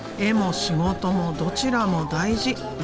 絵も仕事もどちらも大事。